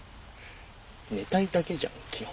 寝たいだけじゃん基本。